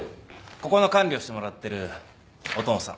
ここの管理をしてもらってる音野さん。